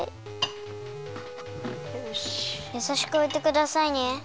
やさしくおいてくださいね。